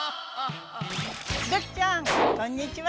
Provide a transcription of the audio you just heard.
土器ちゃんこんにちは！